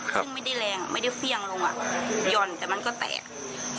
ซึ่งไม่ได้แรงอ่ะไม่ได้เฟี่ยงลงอ่ะหย่อนแต่มันก็แตก